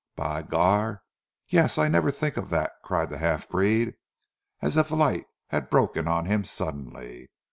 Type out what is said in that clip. "By gar! Yees, I never tink of dat," cried the half breed as if a light had broken on him suddenly.